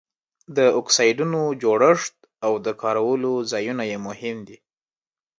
د اکسایډونو جوړښت او د کارولو ځایونه یې مهم دي.